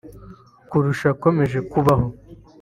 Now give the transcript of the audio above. kurusha akomeje kubaho